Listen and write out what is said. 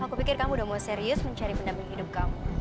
aku pikir kamu udah mau serius mencari pendamping hidup kamu